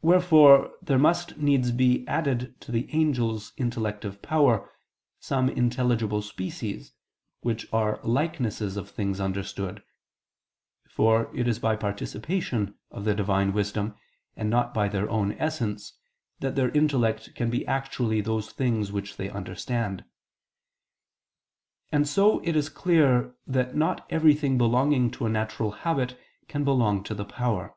Wherefore there must needs be added to the angels' intellective power, some intelligible species, which are likenesses of things understood: for it is by participation of the Divine wisdom and not by their own essence, that their intellect can be actually those things which they understand. And so it is clear that not everything belonging to a natural habit can belong to the power.